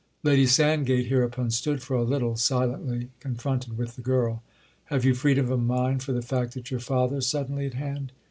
Lady Sandgate hereupon stood for a little silently confronted with the girl. "Have you freedom of mind for the fact that your father's suddenly at hand?"